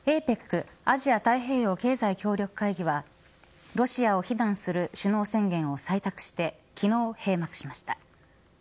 アジア太平洋経済協力会議はロシアを非難する首脳宣言を採択して昨日、閉幕しました。